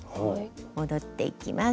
戻っていきます。